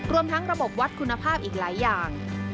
รวมทั้งระบบวัดคุณภาพอีกหลายอย่าง